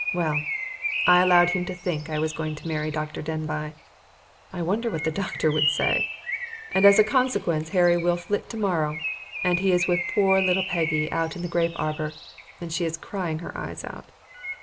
Well, I allowed him to think I was going to marry Dr. Denbigh (I wonder what the doctor would say), and as a consequence Harry will flit to morrow, and he is with poor little Peggy out in the grape arbor, and she is crying her eyes out.